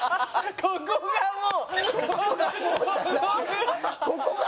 ここがもう。